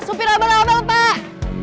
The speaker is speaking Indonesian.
supir amal amal pak